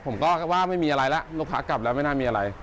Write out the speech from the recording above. ผมก็ว่าไม่มีอะไรแล้วลูกค้ากลับแล้วไม่น่ามีอะไร